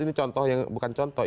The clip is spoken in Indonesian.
ini contoh yang bukan contoh ya